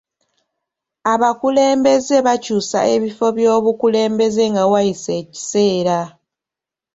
Abakulembeze bakyusa ebifo by'obukulembeze nga wayise ekiseera.